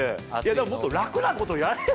もっと楽なことやれば？